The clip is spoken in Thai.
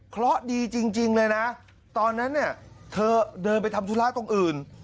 เพราะดีจริงเลยนะตอนนั้นเนี่ยเธอเดินไปทำธุระตรงอื่น